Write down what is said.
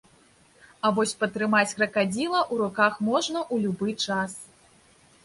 А вось патрымаць кракадзіла ў руках можна ў любы час.